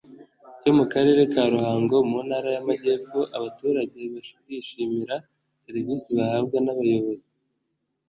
cyo mu karere ka Ruhango mu ntara y'amajyepfo abaturage barishimira serivisi bahabwa n'abayobozi